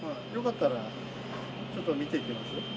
よかったらちょっと見ていきます？